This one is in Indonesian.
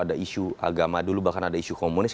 ada isu agama dulu bahkan ada isu komunis